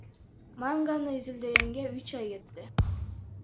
Манганы изилдегенге үч ай кетти.